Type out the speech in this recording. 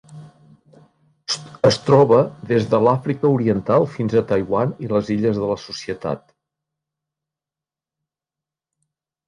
Es troba des de l'Àfrica Oriental fins a Taiwan i les Illes de la Societat.